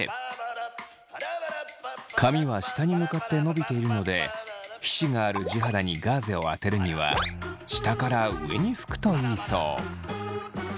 髪は下に向かって伸びているので皮脂がある地肌にガーゼをあてるには下から上に拭くといいそう。